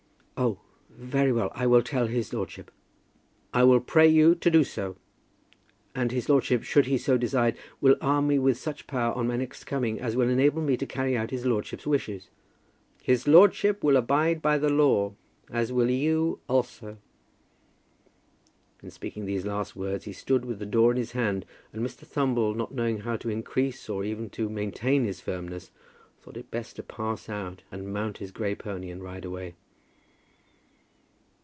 "Oh, very well. I will tell his lordship." "I will pray you to do so." "And his lordship, should he so decide, will arm me with such power on my next coming as will enable me to carry out his lordship's wishes." "His lordship will abide by the law, as will you also." In speaking these last words he stood with the door in his hand, and Mr. Thumble, not knowing how to increase or even to maintain his firmness, thought it best to pass out, and mount his grey pony and ride away.